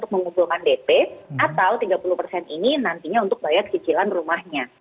mengumpulkan dp atau tiga puluh ini nantinya untuk bayar kecilan rumahnya